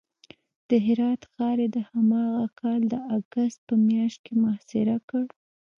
د هرات ښار یې د هماغه کال د اګست په میاشت کې محاصره کړ.